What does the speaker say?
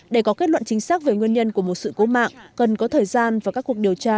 để có kết luận chính xác về nguyên nhân của một sự cố mạng cần có thời gian và các cuộc điều tra